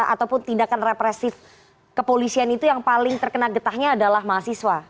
ataupun tindakan represif kepolisian itu yang paling terkena getahnya adalah mahasiswa